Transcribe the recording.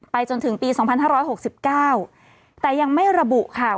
ไปจนถึงปีสองพันห้าร้อยหกสิบเก้าแต่ยังไม่ระบุค่ะ